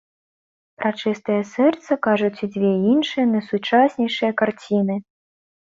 Пра чыстае сэрца кажуць і дзве іншыя найсучаснейшыя карціны.